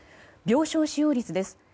病床使用率です。